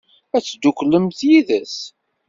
Ad dduklent yid-s?